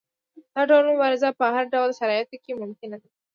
دا ډول مبارزه په هر ډول شرایطو کې ممکنه ده.